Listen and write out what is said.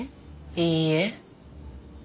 いいえ。